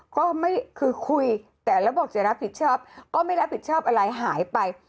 ก็คือคุยแต่แล้วบอกจะรับผิดชอบก็ไม่รับผิดชอบอะไรหายไป